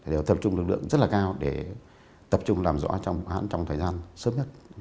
đều tập trung lực lượng rất là cao để tập trung làm rõ trong vụ án trong thời gian sớm nhất